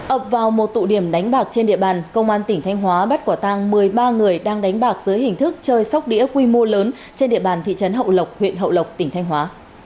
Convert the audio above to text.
ập vào một tụ điểm đánh bạc trên địa bàn công an tỉnh thanh hóa bắt quả tang một mươi ba người đang đánh bạc dưới hình thức chơi sóc đĩa quy mô lớn trên địa bàn thị trấn hậu lộc huyện hậu lộc tỉnh thanh hóa